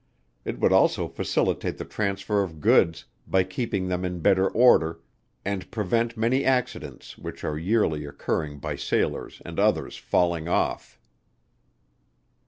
It would also facilitate the transfer of Goods, by keeping them in better order, and prevent many accidents which are yearly occurring by sailors and others falling off.